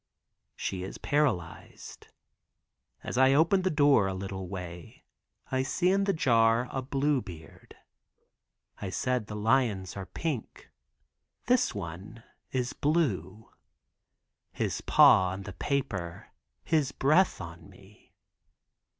She is paralyzed. As I open the door a little way, I see in the jar a Blue Beard. I said the lions are pink, this one is blue. His paw on the paper, his breath on me.